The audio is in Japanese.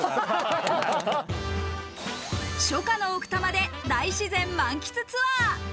初夏の奥多摩で大自然満喫ツアー。